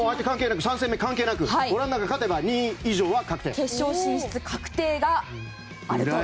３戦目関係なくオランダが勝てば２位以上は確定と。